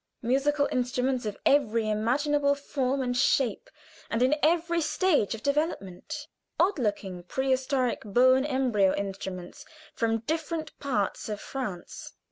Musical instruments of every imaginable form and shape, and in every stage of development. Odd looking pre historic bone embryo instruments from different parts of France.